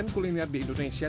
kuliner di indonesia